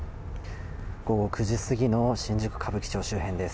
午後９時過ぎの新宿・歌舞伎町周辺です。